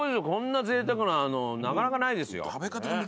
こんなぜいたくなのなかなかないですよ。